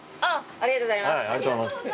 ありがとうございます。